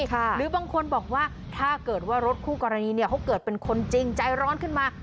หรือบางคนบอกว่าถ้าเกิดว่ารถคู่กรณีเนี่ยเขาเกิดเป็นคนจริงใจร้อนขึ้นมา